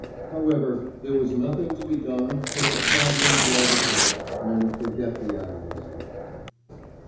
However, there was nothing to be done but to try to enjoy the trip, and forget the Admiralty.